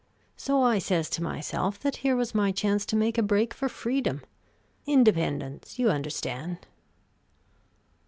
So I says to myself that here was my chance to make a break for freedom independence, you understand."